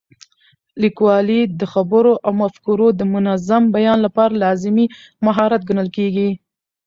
لیکوالی د خبرو او مفکورو د منظم بیان لپاره لازمي مهارت ګڼل کېږي.